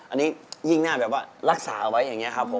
อันนี้ยิ่งน่าแบบว่ารักษาไว้อย่างนี้ครับผม